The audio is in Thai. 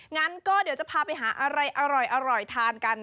งั้นก็เดี๋ยวจะพาไปหาอะไรอร่อยทานกัน